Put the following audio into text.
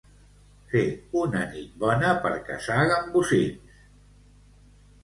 Fer una nit bona per caçar gambosins.